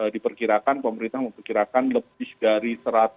diperkirakan pemerintah memperkirakan lebih dari